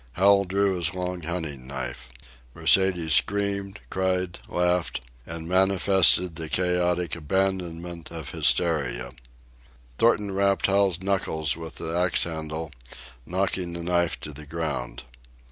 Hal drew his long hunting knife. Mercedes screamed, cried, laughed, and manifested the chaotic abandonment of hysteria. Thornton rapped Hal's knuckles with the axe handle, knocking the knife to the ground.